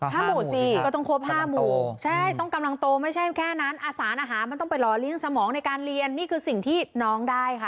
หมู่สี่ก็ต้องครบ๕หมู่ใช่ต้องกำลังโตไม่ใช่แค่นั้นอาหารมันต้องไปหล่อเลี้ยงสมองในการเรียนนี่คือสิ่งที่น้องได้ค่ะ